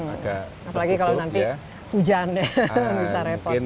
apalagi kalau nanti hujan bisa repot